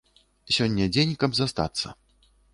Сёння дзень, каб застацца.